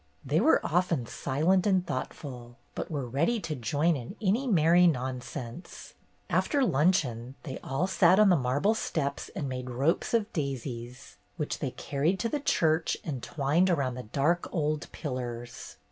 They were often silent and thoughtful, but were ready to join in any merry nonsense. After luncheon they all sat on the marble steps and made ropes of daisies, which they car ried to the church and twined around the dark old pillars.